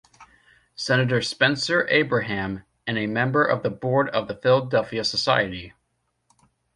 Senator Spencer Abraham, and a member of the Board of the Philadelphia Society.